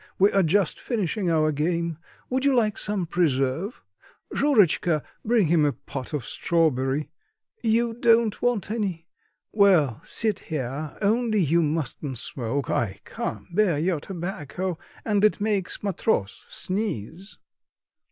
We are just finishing our game. Would you like some preserve? Shurotchka, bring him a pot of strawberry. You don't want any? Well, sit there; only you mustn't smoke; I can't bear your tobacco, and it makes Matross sneeze."